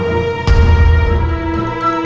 ya allah ya allah